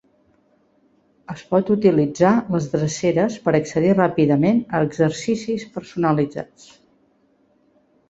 Es pot utilitzar les dreceres per accedir ràpidament a exercicis personalitzats.